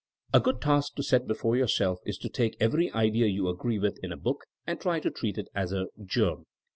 A good task to set before yourself is to take every idea you agree with in a book and try to treat it as a "germ.''